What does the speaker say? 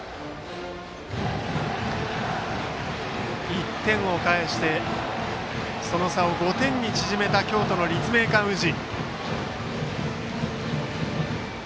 １点を返してその差を５点に縮めた京都の立命館宇治。